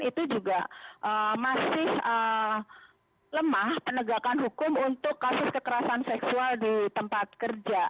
itu juga masih lemah penegakan hukum untuk kasus kekerasan seksual di tempat kerja